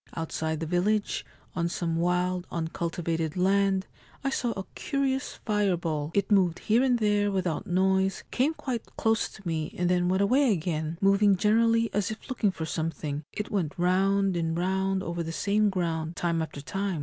Outside the village, on some wild uncultivated land, I saw a curious fireball. It moved here and there without noise, came quite close to me and then went away again, moving generally as if looking for something ; it went round and round over the same ground time after time.